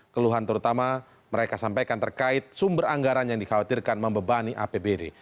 keluhan terutama mereka sampaikan terkait sumber anggaran yang dikhawatirkan membebani apbd